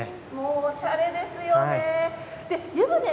おしゃれですよね。